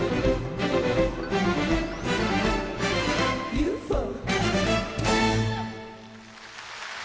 ＵＦＯ！